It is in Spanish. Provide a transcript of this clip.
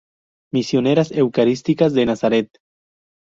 Misioneras Eucarísticas de Nazaret.